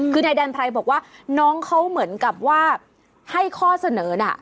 คือนายแดนไพรบอกว่าน้องเขาเหมือนกับว่าให้ข้อเสนอน่ะ